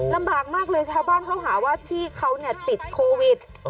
ลำบากมากเลยชาวบ้านเขาหาว่าพี่เขาติดโควิด